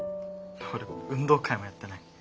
俺運動会もやってない。